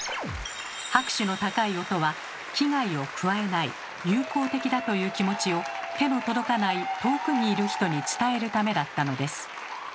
拍手の高い音は危害を加えない「友好的だ」という気持ちを手の届かない遠くにいる人に伝えるためだったのです。